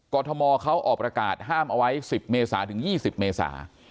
ทมเขาออกประกาศห้ามเอาไว้๑๐เมษาถึง๒๐เมษา